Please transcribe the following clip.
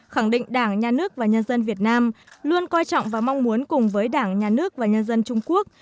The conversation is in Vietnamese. khẳng định đảng nhà nước và nhân dân việt nam luôn coi trọng và mong muốn cùng với đảng nhà nước và nhân dân trung quốc